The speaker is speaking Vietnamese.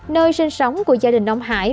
nơi sinh sống của gia đình ông hải